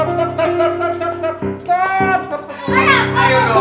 mama bapak kekuat